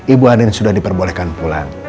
ibu anin sudah diperbolehkan pulang